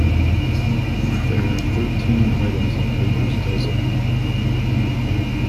There are thirteen items in a baker’s dozen